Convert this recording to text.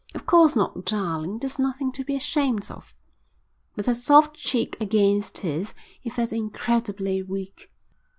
"Of course not, darling. There's nothing to be ashamed of." With her soft cheek against his he felt incredibly weak.